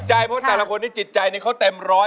จริงแต่ละคนจิตใจที่เขาเต็มร้อย